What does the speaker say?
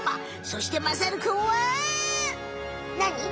そしてまさるくんはなに？